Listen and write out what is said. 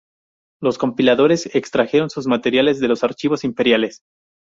Los compiladores extrajeron sus materiales de los archivos imperiales.